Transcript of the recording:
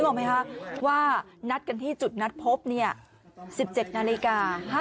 แล้วน้องป่วยเป็นเด็กออทิสติกของโรงเรียนศูนย์การเรียนรู้พอดีจังหวัดเชียงใหม่นะคะ